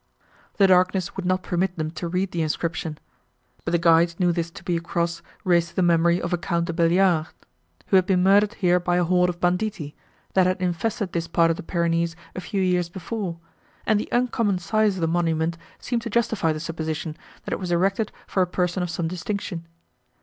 The darkness would not permit them to read the inscription; but the guides knew this to be a cross, raised to the memory of a Count de Beliard, who had been murdered here by a horde of banditti, that had infested this part of the Pyrenees, a few years before; and the uncommon size of the monument seemed to justify the supposition, that it was erected for a person of some distinction.